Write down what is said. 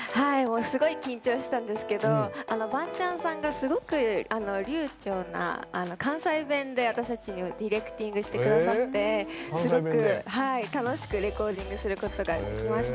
すごい緊張したんですけどバンチャンさんがすごく流ちょうな関西弁で私たちにディレクティングしてくださってすごく楽しくレコーディングすることができました。